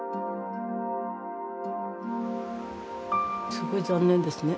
すごく残念ですね。